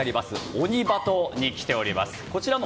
オニバトに来ております。